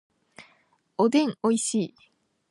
おでんおいしい